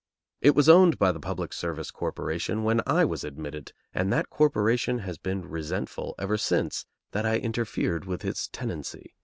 It was owned by the Public Service Corporation when I was admitted, and that corporation has been resentful ever since that I interfered with its tenancy.